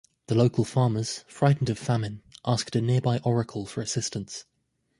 The local farmers, frightened of famine, asked a nearby oracle for assistance.